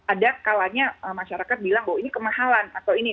ada kalanya masyarakat bilang bahwa ini kemahalan atau ini